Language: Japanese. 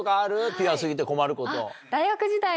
ピュア過ぎて困ること。